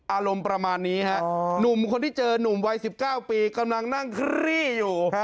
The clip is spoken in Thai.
อารมณ์ประมาณนี้ฮะหนุ่มคนที่เจอนุ่มวัย๑๙ปีกำลังนั่งคลี่อยู่